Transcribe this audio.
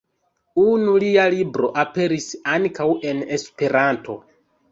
Unu lia libro aperis ankaŭ en esperanto.